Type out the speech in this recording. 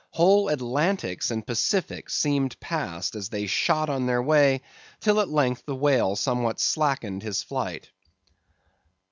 Whole Atlantics and Pacifics seemed passed as they shot on their way, till at length the whale somewhat slackened his flight.